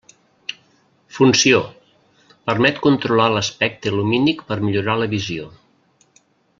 Funció: permet controlar l'espectre lumínic per millorar la visió.